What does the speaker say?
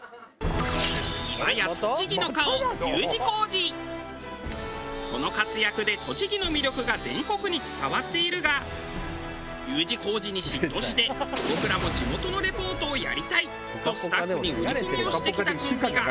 今やその活躍で栃木の魅力が全国に伝わっているがＵ字工事に嫉妬して「僕らも地元のレポートをやりたい」とスタッフに売り込みをしてきたコンビが。